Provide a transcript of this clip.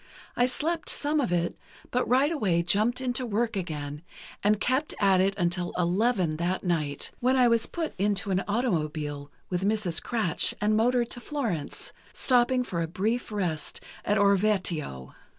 I slept some of it, but right away jumped into work again, and kept at it until eleven that night, when I was put into an automobile with Mrs. Kratsch and motored to Florence, stopping for a brief rest at Orvieto.